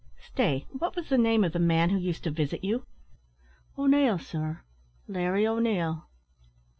Stay, what was the name of the man who used to visit you?" "O'Neil, sir Larry O'Neil."